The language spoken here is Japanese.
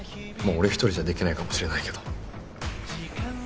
俺一人じゃできないかもしれないけど。